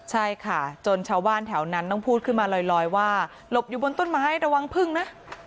ใช่ค่ะจนชาวบ้านแถวนั้นต้องพูดขึ้นมาลอยว่าหลบอยู่บนต้นไม้ระวังพึ่งนะ